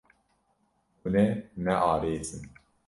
Hûn ê nearêsin.